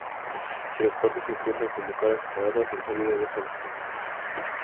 Si las partes se cuentan como caras separadas, el sólido deja de ser regular.